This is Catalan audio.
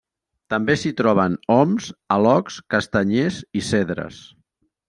També s'hi troben oms, alocs, castanyers i cedres.